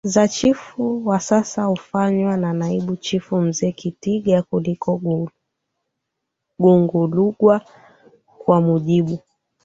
za Chifu wa sasa hufanywa na Naibu Chifu Mzee Kitiga kuliko Gungulugwa kwa mujibu